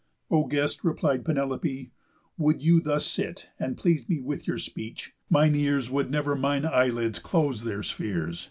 "O guest," replied Penelope, "would you Thus sit and please me with your speech, mine ears Would never let mine eyelids close their spheres!